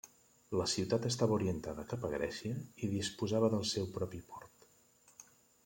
La ciutat estava orientada cap a Grècia i disposava del seu propi port.